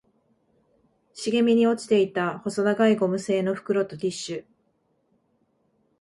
茂みに落ちていた細長いゴム製の袋とティッシュ